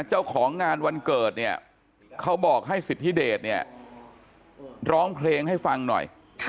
เจ้าของงานวันเกิดเนี่ยเขาบอกให้สิทธิเดชเนี่ยร้องเพลงให้ฟังหน่อย